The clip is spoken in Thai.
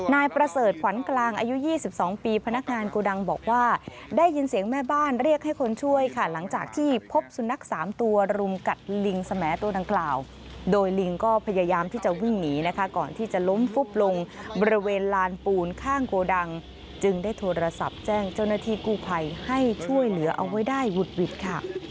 นายประเสริฐขวัญกลางอายุ๒๒ปีพนักงานโกดังบอกว่าได้ยินเสียงแม่บ้านเรียกให้คนช่วยค่ะหลังจากที่พบสุนัข๓ตัวรุมกัดลิงสแมตัวดังกล่าวโดยลิงก็พยายามที่จะวิ่งหนีนะคะก่อนที่จะล้มฟุบลงบริเวณลานปูนข้างโกดังจึงได้โทรศัพท์แจ้งเจ้าหน้าที่กู้ภัยให้ช่วยเหลือเอาไว้ได้หุดหวิดค่ะ